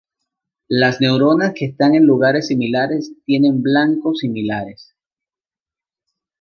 Las neuronas que están en lugares similares tienen blancos similares.